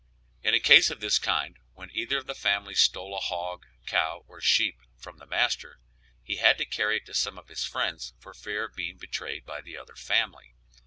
In a case of this kind, when either of the families stole a hog, cow or sheep from the master, he had to carry it to some of his friends, for fear of being betrayed by the other family.